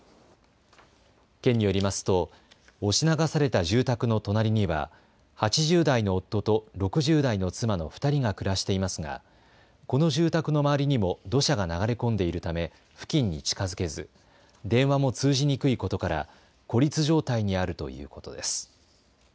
県によりますと押し流された住宅の隣には８０代の夫と６０代の妻の２人が暮らしていますがこの住宅の周りにも土砂が流れ込んでいるため付近に近づけず電話も通じにくいことから孤立状態にあるということです。